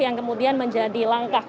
sehingga acara ulang tahun di hari ini adalah